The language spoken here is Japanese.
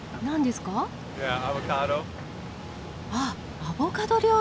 ああアボカド料理。